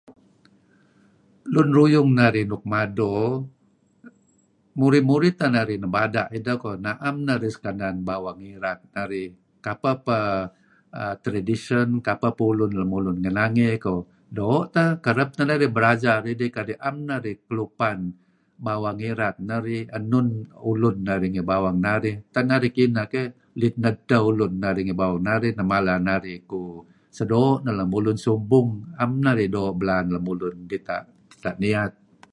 Lun ruyung narih nuk mado murih-murih teh narih nebada' ideh koh, na'em narih sekenan bawang irat narih kapeh peh [ah ah] tradition kapeh peh ulun lun ngi nangey koh doo' teh kereb teh narih berajar idih kadi' na'em narih kelupan bawang irat narih enun ulun narih ngi bawang narih. Tak narih kinah keh ulit nedtah ulun narih ngi bawang narih kadi nidah mala narih kuh sedoo' lemulun, subung, 'am narih doo' belaan dulun dita' niyat